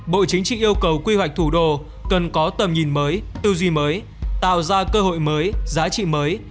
bộ chính trị yêu cầu quy hoạch thủ đô cần có tầm nhìn mới tư duy mới tạo ra cơ hội mới giá trị mới